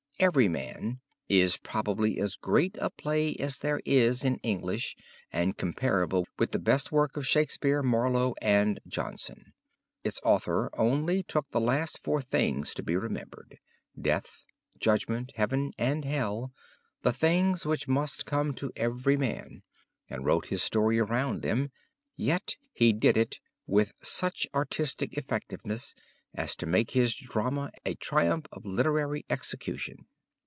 "Everyman" is probably as great a play as there is in English and comparable with the best work of Shakespeare, Marlowe and Jonson. Its author only took the four last things to be remembered Death, Judgment, Heaven and Hell the things which must come to every man, and wrote his story around them, yet he did it with such artistic effectiveness as to make his drama a triumph of literary execution.